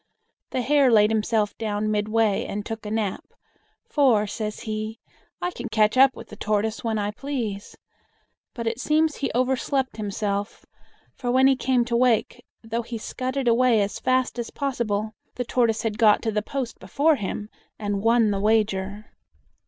The Hare laid himself down midway and took a nap; "for," says he, "I can catch up with the Tortoise when I please." But it seems he overslept himself, for when he came to wake, though he scudded away as fast as possible, the Tortoise had got to the post before him and won the wager.